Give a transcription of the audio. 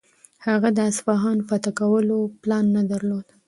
هغه د اصفهان فتح کولو پلان نه درلود.